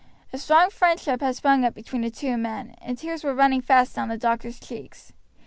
A strong friendship had sprung up between the two men, and tears were running fast down the doctor's cheeks.